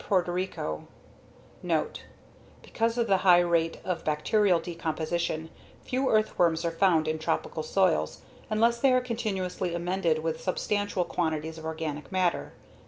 * 6 260,000 *Because of the high rate of bacterial decomposition, few earthworms are found in tropical soils unless they are continuously ammended with substantial quantities of organic matter.